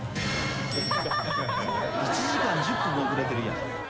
１時間１０分も遅れてるやん。